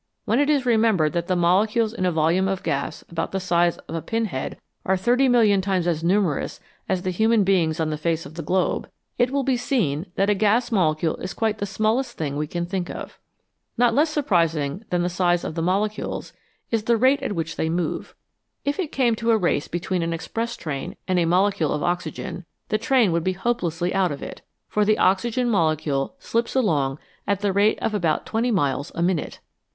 When it is remembered that the molecules in a volume of gas about the size of a 48 INVISIBLE SUBSTANCES pin head are thirty million times as numerous as the human beings on the face of the globe, it will be seen that a gas molecule is quite the smallest thing we can think of. Not less surprising than the size of the mole cules is the rate at which they move. If it came to a race between an express train and a molecule of oxygen, the train would be hopelessly out of it ; for the oxygen molecule slips along at the rate of about twenty miles a minute.